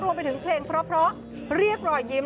รวมไปถึงเพลงเพราะเรียกรอยยิ้ม